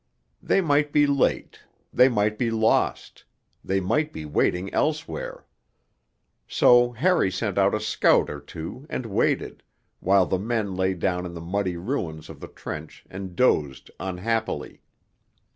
They might be late, they might be lost, they might be waiting elsewhere. So Harry sent out a scout or two and waited, while the men lay down in the muddy ruins of the trench and dozed unhappily.